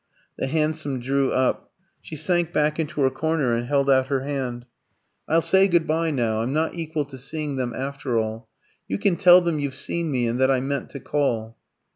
The hansom drew up. She sank back into her corner and held out her hand. "I'll say good bye now. I'm not equal to seeing them, after all. You can tell them you've seen me, and that I meant to call."